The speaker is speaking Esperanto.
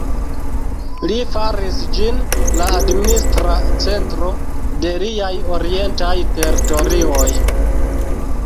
Li faris ĝin la administra centro de liaj orientaj teritorioj.